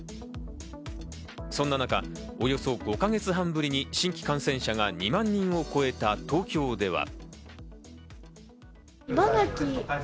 そんな中、およそ５か月半ぶりに新規感染者が２万人を超えた東京では。